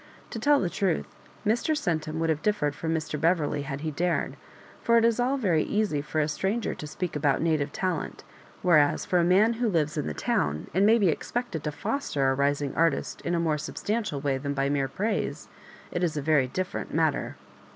To tell the truth, Mr. Centum would have differed from Mr. Beverley had he dared ; for it is all very easy for a stranger to speak about native talent; where as for a man who lives in the town, and may be expected to foster a rising artist in a more sub stantial way than by mere praise, it is a very dif ferent matter.